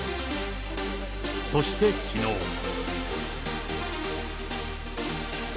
そしてきのう。